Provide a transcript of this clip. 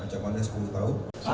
ancamannya sepuluh tahun